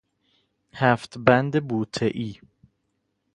هفت بند بوته ای